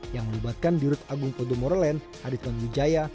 yang melibatkan dirut agung kodomorelen hadithon mujaya